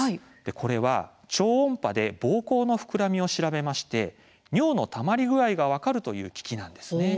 これは、超音波でぼうこうの膨らみを調べて尿のたまり具合が分かるという機器なんです。